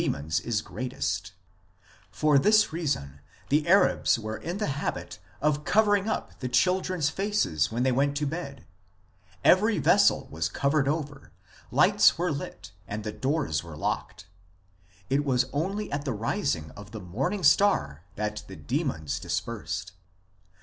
30 IMMORTALITY AND THE UNSEEN WORLD is greatest ; for this reason the Arabs were in the habit of covering up the children s faces when they went to bed ; every vessel was covered over, lights were lit, and the doors were locked. It was only at the rising of the morning star that the demons dispersed.